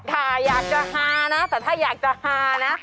ค่ะอยากจะฮานะแต่ถ้าอยากจะฮานะ